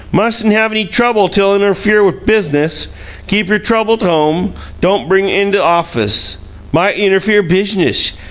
Mus'n' have any trouble 't'll innerfere business. Keep your trouble 't home. Don' bring it to th' office. Might innerfere business!